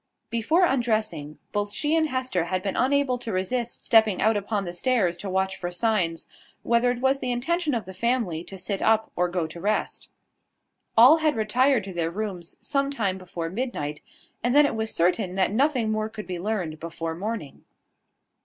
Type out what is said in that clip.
Before undressing, both she and Hester had been unable to resist stepping out upon the stairs to watch for signs whether it was the intention of the family to sit up or go to rest. All had retired to their rooms some time before midnight; and then it was certain that nothing more could be learned before morning.